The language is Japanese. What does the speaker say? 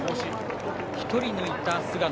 １人抜いた菅野。